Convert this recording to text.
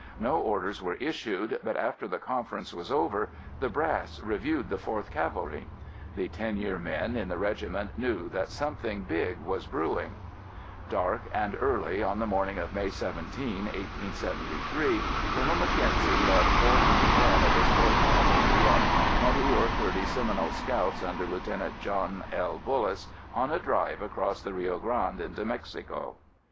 No orders were issued but after the conference was over, the "brass" reviewed the 4th Cavalry. The "ten year" men in the regiment knew that something big was brewing. Dark and early, on the morning of May 17, 1873, Colonel Mackenzie led 400 men of his 4th Cavalry and twenty or thirty Seminole scouts under Lt. John L. Bullis, on a drive across the Rio Grande into Mexico.